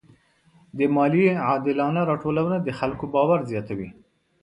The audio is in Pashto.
د مالیې عادلانه راټولونه د خلکو باور زیاتوي.